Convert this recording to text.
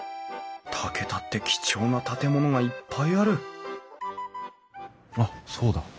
竹田って貴重な建物がいっぱいあるあっそうだ。